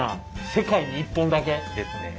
世界に１本だけ？ですね。